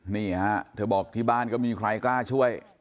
นี่ฮะเธอบอกที่บ้านก็มีใครกล้าช่วย